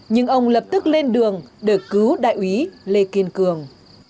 nhưng ông lập tức lên đường để cứu đại úy lê kiên cường